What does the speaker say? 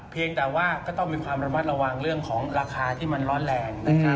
เพียงแต่ว่าก็ต้องมีความระมัดระวังเรื่องของราคาที่มันร้อนแรงนะครับ